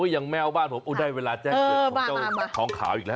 อย่างแม่วบ้านผมได้เวลาแจ้งเกิดของเจ้าทองขาวอีกแล้ว